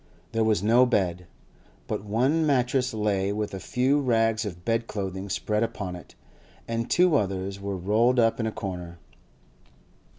There was no bed, but one mattress lay with a few rags of bed clothing spread upon it, and two others were rolled up in a corner.